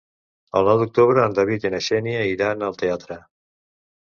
El nou d'octubre en David i na Xènia iran al teatre.